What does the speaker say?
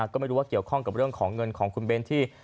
ก็ไม่รู้ว่าเกี่ยวข้องกับเรื่องของเงินของคุณเบ้นที่